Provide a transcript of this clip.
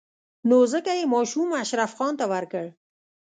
نو ځکه يې ماشوم اشرف خان ته ورکړ.